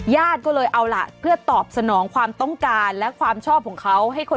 ญาติก็เลยเอาล่ะเพื่อตอบสนองความต้องการและความชอบของเขา